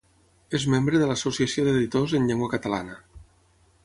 És membre de l'Associació d'Editors en Llengua Catalana.